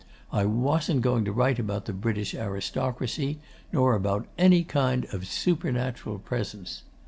I wasn't going to write about the British aristocracy, nor about any kind of supernatural presence....